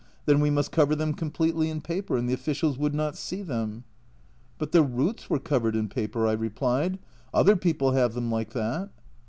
Then we must cover them completely in paper, and the officials would not see them." " But the roots were covered in paper," I replied, "other people have them like that."